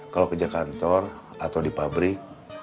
kalau kerja kantor atau di pabrik